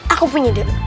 aku punya dia